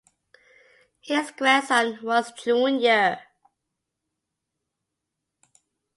His grandson was Jhr.